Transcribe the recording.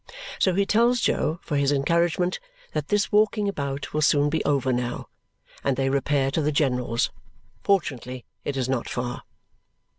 So he tells Jo, for his encouragement, that this walking about will soon be over now; and they repair to the general's. Fortunately it is not far.